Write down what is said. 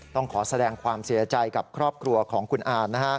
ต้องขอแสดงความเสียใจกับครอบครัวของคุณอา